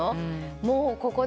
もうここで。